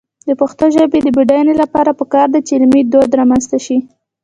د پښتو ژبې د بډاینې لپاره پکار ده چې علمي دود رامنځته شي.